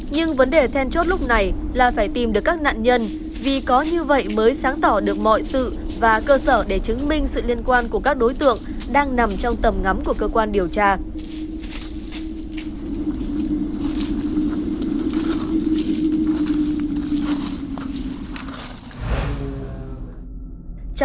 nhưng vấn đề then chốt lúc này là phải tìm được các nạn nhân vì có như vậy mới sáng tỏ được mọi sự và cơ sở để chứng minh sự liên quan của các đối tượng đang nằm trong tầm ngắm của cơ quan điều tra